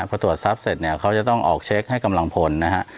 พอตรวจทรัพย์เสร็จเนี่ยเขาจะต้องออกเช็คให้กำลังพลนะฮะ